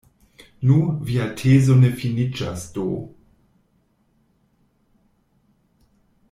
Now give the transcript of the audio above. Nu, via tezo ne finiĝas do?